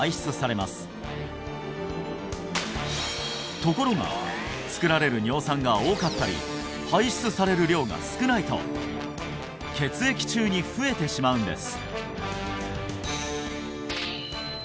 ところが作られる尿酸が多かったり排出される量が少ないと血液中に増えてしまうんです